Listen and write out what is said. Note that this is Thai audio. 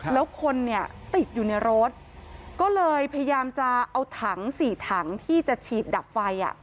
แล้วคนเนี่ยติดอยู่ในรถก็เลยพยายามจะเอาถังสี่ถังที่จะฉีดดับไฟ